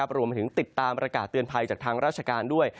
รวมไปถึงติดตามประกาศเตือนภัยจากทางราชการด้วย